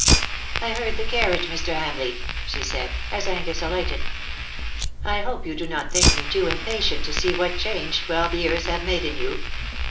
'^ I heard the carriage, Mr. Hamleigh/^ she said, as Angus alighted ;'^ I hope you do not think me too impatient to see what change twelve years have made in you